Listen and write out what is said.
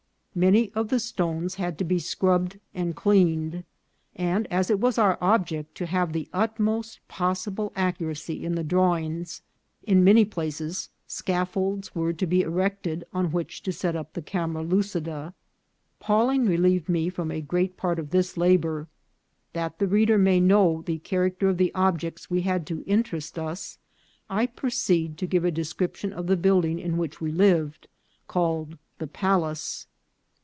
Many of the stones had to be scrubbed and cleaned; and as it was our object to have the utmost possible accuracy in the drawings, in many places scaffolds were to be erected on which to set up the camera lucida. Pawling relieved me from a great part of this labour. That the reader may know the character of the objects we had to interest us, I proceed to give a description of the building in which we lived, called the palace.